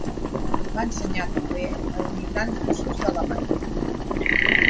Va ensenyar també a immigrants russos d'Alemanya.